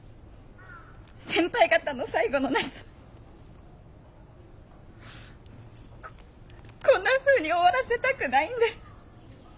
先輩方の最後の夏こんなふうに終わらせたくないんです。